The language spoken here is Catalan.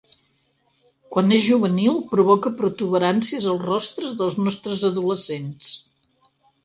Quan és juvenil provoca protuberàncies als rostres dels nostres adolescents.